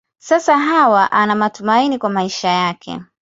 Sasa Hawa ana matumaini kwa maisha yake.